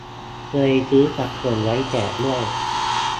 เคยซื้อสะสมไว้แจกด้วย